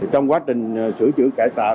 trong quá trình sửa chữa cải tạo